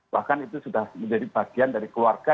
bahkan itu sudah menjadi bagian dari keluarga